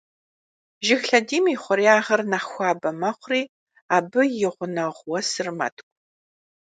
Жыг лъэдийм и хъуреягъыр нэхъ хуабэ мэхъури абы и гъунэгъу уэсыр мэткӀу.